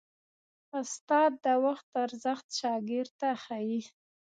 استاد د وخت ارزښت شاګرد ته ښيي.